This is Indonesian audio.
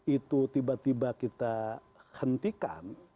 itu tiba tiba kita hentikan